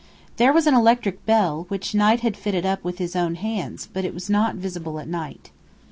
There was an electric bell, which Knight had fitted up with his own hands, but it was not visible at night.